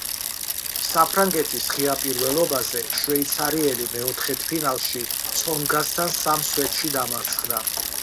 საფრანგეთის ღია პირველობაზე შვეიცარიელი მეოთხედფინალში ცონგასთან სამ სეტში დამარცხდა.